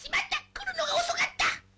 来るのが遅かった！」